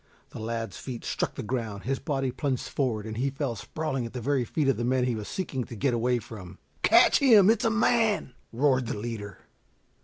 The lad's feet struck the ground, his body plunged forward and he fell sprawling at the very feet of the men he was seeking to get away from. "Catch him! It's a man!" roared the leader.